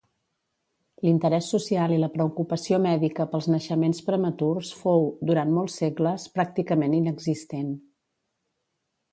L'interès social i la preocupació mèdica pels naixements prematurs fou, durant molts segles, pràcticament inexistent.